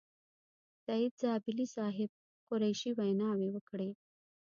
سعید زابلي صاحب، قریشي ویناوې وکړې.